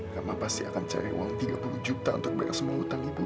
kamu pasti akan cari uang tiga puluh juta untuk mereka semua hutang ibu